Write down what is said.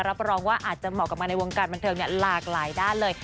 รับรองว่าอาจจะเหมาะกับมาในวงการบันเทิงหลากหลายด้านเลย